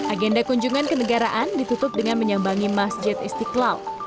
agenda kunjungan ke negaraan ditutup dengan menyambangi masjid istiqlal